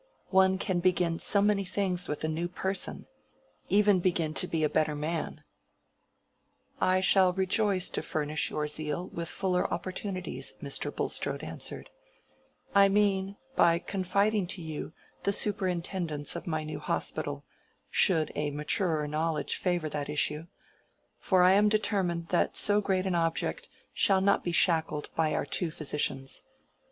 One can begin so many things with a new person!—even begin to be a better man. "I shall rejoice to furnish your zeal with fuller opportunities," Mr. Bulstrode answered; "I mean, by confiding to you the superintendence of my new hospital, should a maturer knowledge favor that issue, for I am determined that so great an object shall not be shackled by our two physicians.